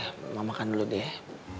ya udah emak makan dulu deh